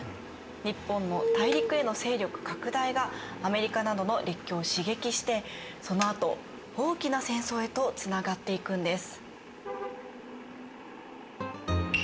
日本の大陸への勢力拡大がアメリカなどの列強を刺激してそのあと大きな戦争へとつながっていくんです。